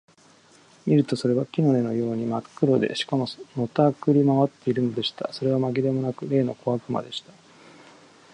見るとそれは木の根のようにまっ黒で、しかも、のたくり廻っているのでした。それはまぎれもなく、例の小悪魔でした。